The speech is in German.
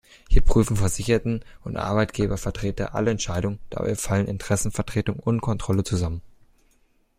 Hier prüfen Versicherten- und Arbeitgebervertreter alle Entscheidungen, dabei fallen Interessenvertretung und Kontrolle zusammen.